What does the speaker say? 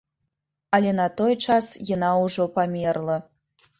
Але на той час яна ўжо памерла.